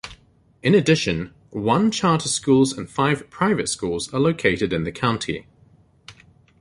In addition, one charter schools and five private schools are located in the county.